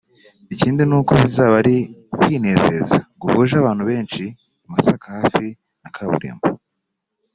Ikindi ni uko bizaba ari ukwinezeza guhuje abantu benshi i Masaka hafi na kaburimbo